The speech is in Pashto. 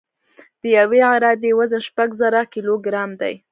د یوې عرادې وزن شپږ زره کیلوګرام دی